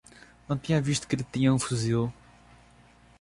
Não tinha visto que ele tinha um fuzil.